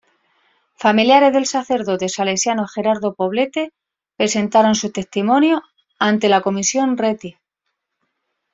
Familiares del sacerdote salesiano Gerardo Poblete presentaron su testimonio ante la Comisión Rettig.